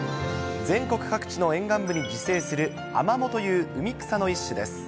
全国各地の沿岸部に自生する、アマモという海草の一種です。